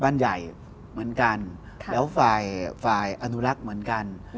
บ้านใหญ่เหมือนกันแล้วฝ่ายฝ่ายอนุรักษ์เหมือนกัน